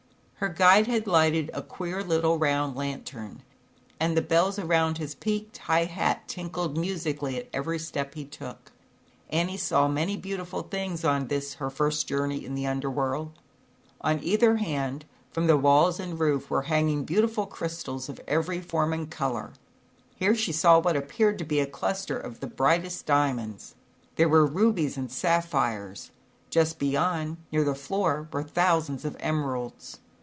Her guide had lighted a queer little round lantern, and the bells around his peaked high hat tinkled musically at every step he took. Annie saw many beautiful things on this her first journey in the Under World. I 122 ZAUBERLINDA, THE WISE WITCH. On either hand, from the walls and roof were hanging beautiful crystals of every form and color. Here she saw what appeared to be a cluster of the brightest diamonds. There were rubies and sapphires; just beyond, near the floor, were thousands of emeralds.